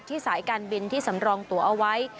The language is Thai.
สายการบินที่สำรองตัวเอาไว้